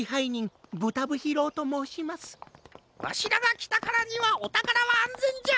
わしらがきたからにはおたからはあんぜんじゃ！